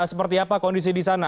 seperti apa kondisi di sana